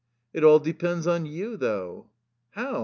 It all depends on you, though." "How?"